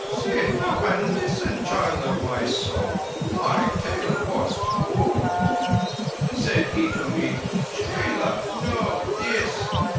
Sit up and listen, child of my soul! My tale was told. Said he to me, 'Chela, know this.